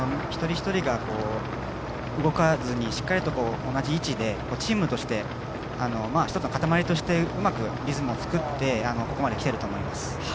一人一人が動かずにしっかりと同じ位置でチームとして１つのかたまりとしてうまくリズムを作ってここまで来ていると思います。